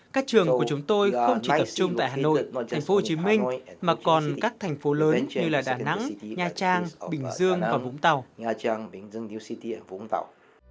các trường của chúng tôi không chỉ tập trung tại hà nội thành phố hồ chí minh mà còn các thành phố lớn như là đà nẵng nha trang bình dương và vũng tàu